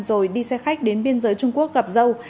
rồi đi xe khách đến biên giới trung quốc gặp dâu